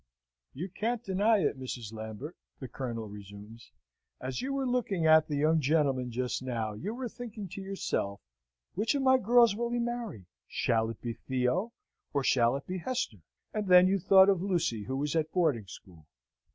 "You can't deny it, Mrs. Lambert," the Colonel resumes; "as you were looking at the young gentleman just now, you were thinking to yourself which of my girls will he marry? Shall it be Theo, or shall it be Hester? And then you thought of Lucy who was at boarding school."